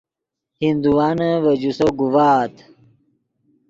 ہندوانے ڤے جوسو گوڤآت